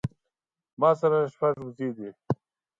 ما سره شپږ وزې دي